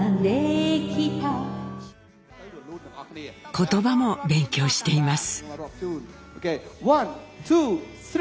言葉も勉強しています。